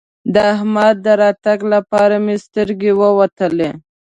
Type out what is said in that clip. د احمد د راتګ لپاره مې سترګې راووتلې.